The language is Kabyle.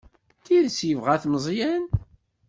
D tidet yebɣa-t Meẓyan?